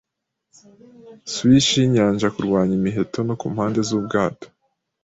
swish yinyanja kurwanya imiheto no kumpande zubwato.